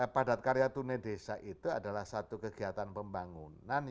padat karya tunai desa itu adalah satu kegiatan pembangunan